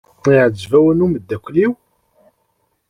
Iɛjeb-awen umeddakel-iw?